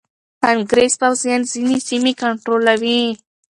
انګریز پوځیان ځینې سیمې کنټرولوي.